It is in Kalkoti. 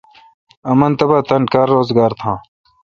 امن تبا تان کار روزگار تھان۔